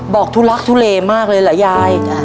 บอกทุรกทุเรมากเลยเนอะยาย